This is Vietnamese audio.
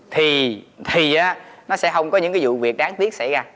thì nó sẽ không có những cái vụ việc đáng tiếc xảy ra